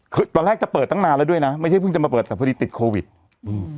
คือตอนแรกจะเปิดตั้งนานแล้วด้วยนะไม่ใช่เพิ่งจะมาเปิดแต่พอดีติดโควิดอืม